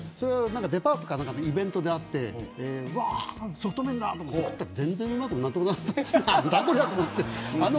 デパートか何かのイベントであってソフト麺だと思って食ったけど全然うまくも何ともなかった。